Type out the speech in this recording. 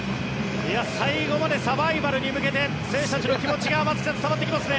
最後までサバイバルに向けて選手たちの気持ちが松木さん、伝わってきますね。